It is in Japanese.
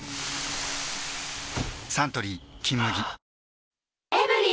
サントリー「金麦」